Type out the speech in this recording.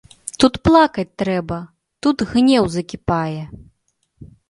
Тут плакаць трэба, тут гнеў закіпае.